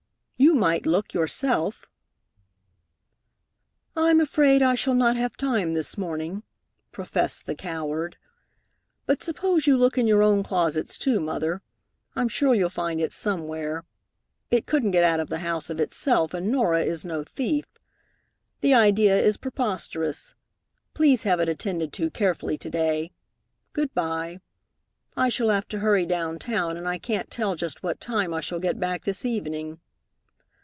"You might look, yourself." "I'm afraid I shall not have time this morning," professed the coward. "But suppose you look in your own closets, too, Mother. I'm sure you'll find it somewhere. It couldn't get out of the house of itself, and Norah is no thief. The idea is preposterous. Please have it attended to carefully to day. Good by. I shall have to hurry down town, and I can't tell just what time I shall get back this evening.